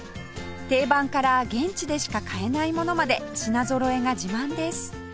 定番から現地でしか買えないものまで品ぞろえが自慢です